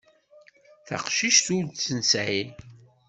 Taqcict ur tt-nesɛi.